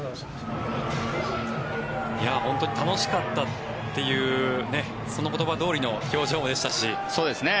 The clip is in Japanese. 本当に楽しかったというその言葉どおりの表情でしたし。